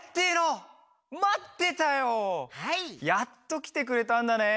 やっときてくれたんだね。